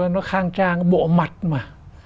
nó khang trang bộ mặt mà